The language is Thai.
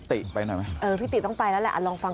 เออพี่ติต้องไปแล้วแหละลองฟังเขาเล่าสิ